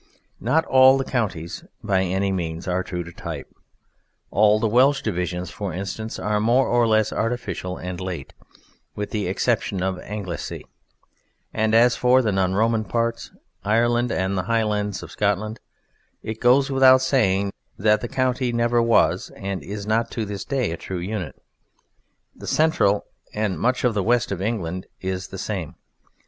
Not all the counties by any means are true to type. All the Welsh divisions, for instance, are more or less artificial and late, with the exception of Anglesey. And as for the non Roman parts, Ireland and the Highlands of Scotland, it goes without saying that the county never was, and is not to this day, a true unit. The central and much of the west of England is the same.